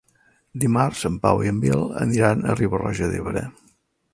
Dimarts en Pau i en Biel aniran a Riba-roja d'Ebre.